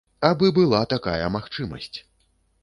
Абы была такая магчымасць.